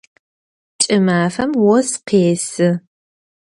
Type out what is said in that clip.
Кӏымафэм ос къесы.